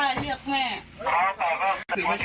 ติดเตียงได้ยินเสียงลูกสาวต้องโทรโทรศัพท์ไปหาคนมาช่วย